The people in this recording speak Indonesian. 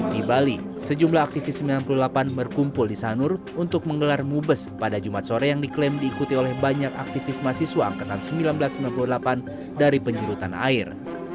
di bali sejumlah aktivis sembilan puluh delapan berkumpul di sanur untuk menggelar mubes pada jumat sore yang diklaim diikuti oleh banyak aktivis mahasiswa angkatan seribu sembilan ratus sembilan puluh delapan dari penjurutan air